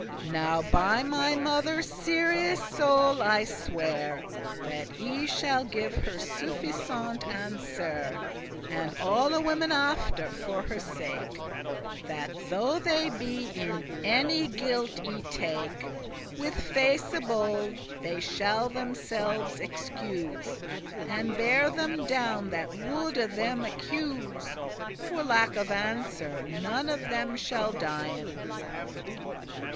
Now by my mother Ceres' soul I swear That I shall give her suffisant answer, And alle women after, for her sake; That though they be in any guilt y take, With face bold they shall themselves excuse, And bear them down that woulde them accuse. For lack of answer, none of them shall dien.